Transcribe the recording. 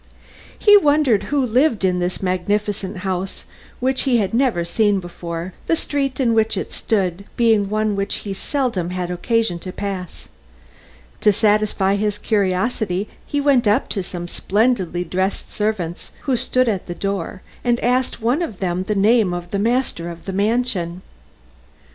He wondered who lived in this magnificent house which he had never seen before, the street in which it stood being one which he seldom had occasion to pass. To satisfy his curiosity he went up to some splendidly dressed servants who stood at the door, and asked one of them the name of the master of the mansion.